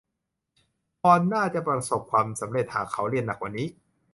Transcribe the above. พอลน่าจะประสบความสำเร็จหากเขาเรียนหนักกว่านี้